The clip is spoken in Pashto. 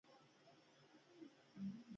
خرمایانو په زړه ونه کې چارمغز پټ کړي وو